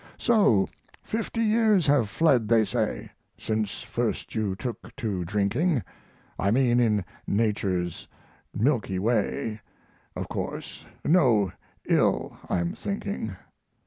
So fifty years have fled, they say, Since first you took to drinking; I mean in Nature's milky way Of course no ill I'm thinking.